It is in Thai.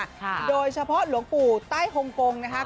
โดยเฉพาะหลวงปู่ใต้โฮงโกงนะครับ